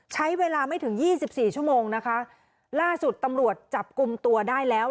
ใช้เวลาไม่ถึงยี่สิบสี่ชั่วโมงนะคะล่าสุดตำรวจจับกลุ่มตัวได้แล้ว